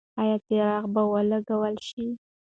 ایا څراغ به ولګول شي؟